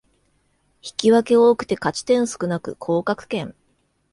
引き分け多くて勝ち点少なく降格圏